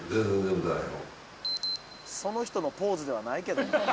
その人のポーズではないけどな。